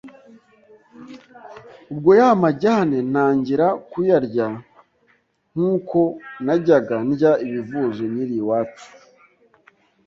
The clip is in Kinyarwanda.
ubwo ya majyane ntangira kuyarya nk’uko najyaga ndya ibivuzo nkiri iwacu.